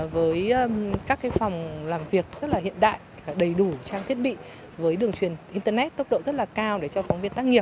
với các phòng làm việc rất là hiện đại đầy đủ trang thiết bị với đường truyền internet tốc độ rất là cao để cho phóng viên tác nghiệp